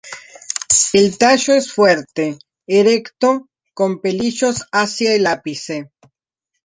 El tallo es fuerte, erecto, con pelillos hacia el ápice.